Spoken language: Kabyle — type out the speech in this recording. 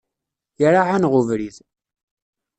Iraɛ-aneɣ ubrid.